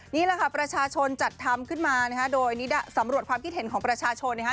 นี่แหละค่ะประชาชนจัดทำขึ้นมานะคะโดยสำรวจความคิดเห็นของประชาชนนะคะ